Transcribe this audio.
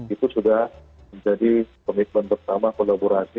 itu sudah menjadi komitmen pertama kolaborasi